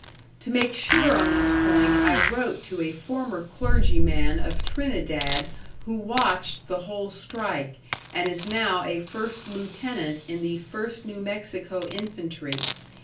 To make sure on this point I wrote to a former clergyman of Trinidad who watched the whole strike, and is now a first lieutenant in the First New Mexico Infantry.